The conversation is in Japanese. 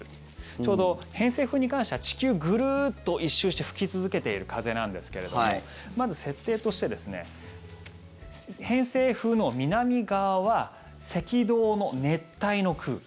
ちょうど偏西風に関しては地球をぐるっと１周して吹き続けている風なんですけどもまず設定として偏西風の南側は赤道の熱帯の空気。